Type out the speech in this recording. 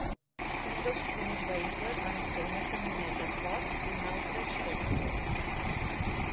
Uns dels primers vehicles van ser una camioneta Ford i una altra Chevrolet.